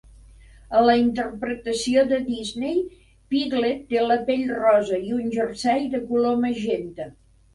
A la interpretació de Disney, Piglet té la pell rosa i un jersei de color magenta.